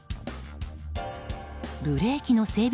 ブレーキの整備